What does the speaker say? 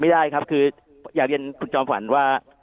ไม่ได้ครับคืออยากเรียนคุณจอมขวัญว่า